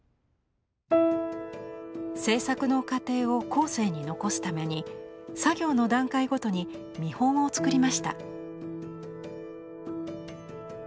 制作の過程を後世に残すために作業の段階ごとに見本をつくりました。